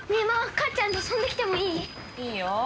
かっちゃんと遊んできてもいい？いいよ。